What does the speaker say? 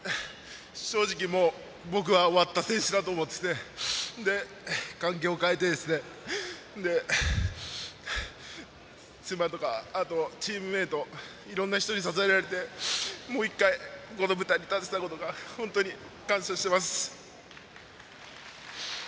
正直、もう僕は終わった選手だと思っていて環境を変えて、妻とかあとチームメートいろんな人に支えられてもう１回この舞台に立てたことが本当に感謝しています。